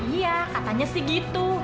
iya katanya sih gitu